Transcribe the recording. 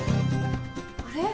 あれ？